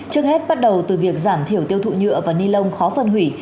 trước hết bắt đầu từ việc giảm thiểu tiêu thụ nhựa và ni lông khó phân hủy